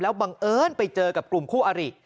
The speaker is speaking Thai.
บังเอิญไปเจอกับกลุ่มคู่อริ